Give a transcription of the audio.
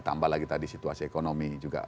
tambah lagi tadi situasi ekonomi juga